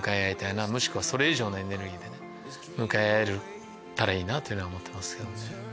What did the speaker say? もしくはそれ以上のエネルギーで向かい合えたらいいと思ってます。